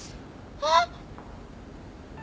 あっ！